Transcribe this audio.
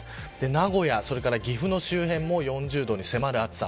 名古屋、それから岐阜の周辺も４０度に迫る暑さ。